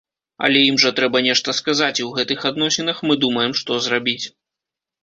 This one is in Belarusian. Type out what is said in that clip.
Але ім жа трэба нешта сказаць, і ў гэтых адносінах мы думаем, што зрабіць.